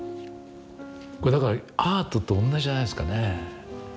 これだからアートと同じじゃないですかね。